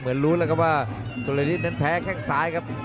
เหมือนรู้แล้วครับว่าสุริริตรเน้นแพ้แก้งซ้ายครับ